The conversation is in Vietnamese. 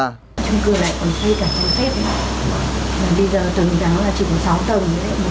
trong cư này còn xây cả tòa nhà phép bây giờ tầng đó chỉ có sáu tầng một cung